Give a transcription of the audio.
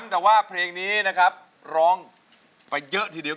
แต่ว่าเพลงนี้นะครับร้องไปเยอะทีเดียว